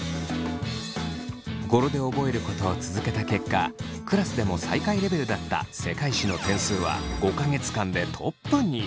語呂で覚えることを続けた結果クラスでも最下位レベルだった世界史の点数は５か月間でトップに。